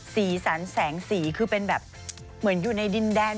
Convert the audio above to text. สีสันแสงสีคือเป็นแบบเหมือนอยู่ในดินแดน